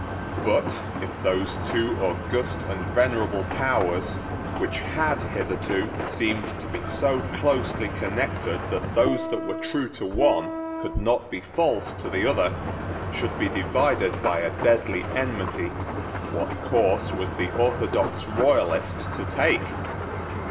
But, if those two august and venerable powers, which had hitherto seemed to be so closely connected that those who were true to one could not be false to the other, should be divided by a deadly enmity, what course was the orthodox Royalist to take?